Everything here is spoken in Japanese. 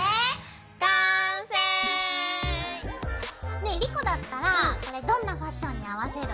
ねえ莉子だったらこれどんなファッションに合わせる？